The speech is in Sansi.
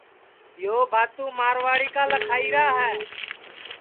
ٻو بھاتو مارواڑی کا لکھائیرا ہے